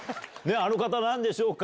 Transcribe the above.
あの方なんでしょうか？